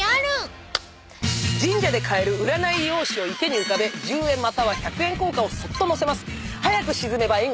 神社で買える占い用紙を池に浮かべ十円または百円硬貨をそっと載せます。